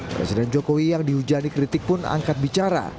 presiden jokowi yang dihujani kritik pun angkat bicara